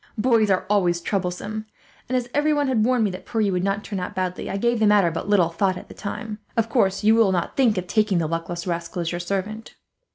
Boys are always troublesome and, as everyone had warned me that Pierre would turn out badly, I gave the matter but little thought at the time. Of course, you will not think of taking the luckless rascal as your servant."